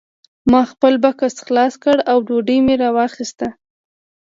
ما خپل بکس خلاص کړ او ډوډۍ مې راواخیسته